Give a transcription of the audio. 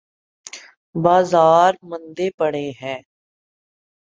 بازار مندے پڑے ہیں۔